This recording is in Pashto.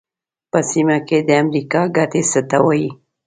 په سیمه کې د امریکا ګټې څه ته وایي.